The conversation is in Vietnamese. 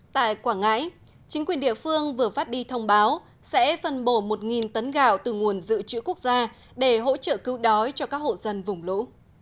tại quảng ngãi chính quyền địa phương vừa phát đi thông báo sẽ phân bổ một tấn gạo từ nguồn dự trữ quốc gia để hỗ trợ cứu đói cho các hộ dân vùng lũ